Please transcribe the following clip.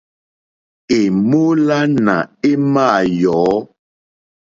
È mólánà émá à yɔ̌.